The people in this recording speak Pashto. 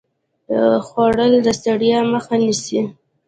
خوړل د ستړیا مخه نیسي